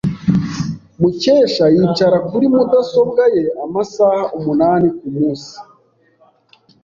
Mukesha yicara kuri mudasobwa ye amasaha umunani kumunsi.